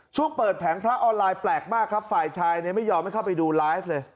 เปิดแผงพระออนไลน์แปลกมากครับฝ่ายชายไม่ยอมให้เข้าไปดูไลฟ์เลย